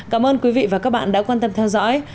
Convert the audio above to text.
cảm ơn quý vị và các bạn đã quan tâm theo dõi